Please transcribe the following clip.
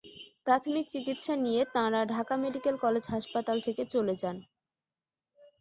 প্রাথমিক চিকিৎসা নিয়ে তাঁরা ঢাকা মেডিকেল কলেজ হাসপাতাল থেকে চলে যান।